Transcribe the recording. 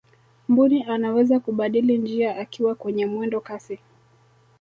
mbuni anaweza kubadili njia akiwa kwenye mwendo kasi